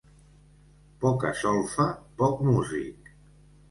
Poca solfa, poc músic.